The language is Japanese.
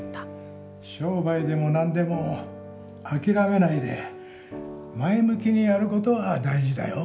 商売でもなんでもあきらめないで前向きにやることは大事だよ。